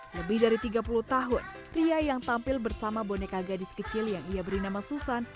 lebih dari tiga puluh tahun pria yang tampil bersama boneka gadis kecil yang ia beri nama susan